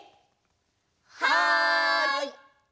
はい！